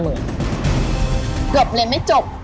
เกือบเลยไม่จบ